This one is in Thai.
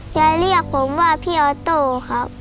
เรียกผมว่าพี่ออโต้ครับ